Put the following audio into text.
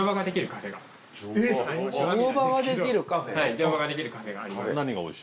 乗馬ができるカフェがあります。